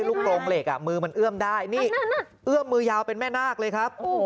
โรงเหล็กมือมันเอื้อมได้นี่เอื้อมมือยาวเป็นแม่นาคเลยครับ